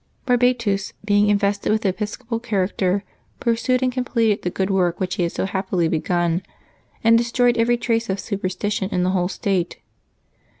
Barbatus, being invested with the episcopal char acter, pursued and completed the good work which he had so happily begun, and destroyed every trace of super stition in the whole state.